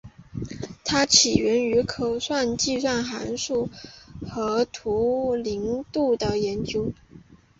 它起源于可计算函数和图灵度的研究。